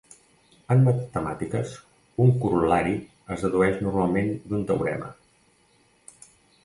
En matemàtiques un corol·lari es dedueix normalment d'un teorema.